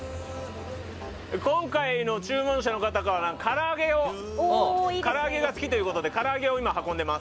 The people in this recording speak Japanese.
今回の注文者の方からは唐揚げが好きということで唐揚げを今運んでいます。